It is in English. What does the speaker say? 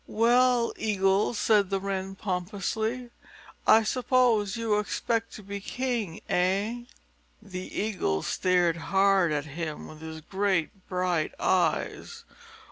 "Well, Eagle," said the Wren pompously, "I suppose you expect to be king, eh?" The Eagle stared hard at him with his great bright eyes.